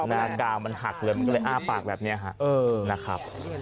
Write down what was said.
หน้ากากมันหักเลยมันก็เลยอ้าปากแบบนี้ฮะนะครับ